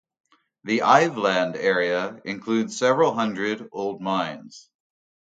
The Iveland area includes several hundred old mines.